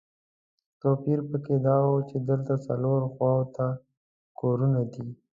توپیر په کې دا و چې دلته څلورو خواوو ته کورونه دي.